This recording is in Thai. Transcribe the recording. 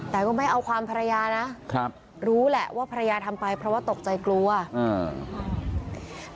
แต่ก็ไม่เอาความภรรยานะครับรู้แหละว่าภรรยาทำไปเพราะว่าตกใจกลัวอืม